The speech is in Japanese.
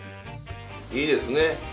いいですね。